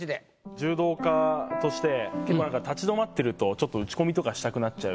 柔道家として結構なんか立ち止まってるとちょっと打ち込みとかしたくなっちゃう。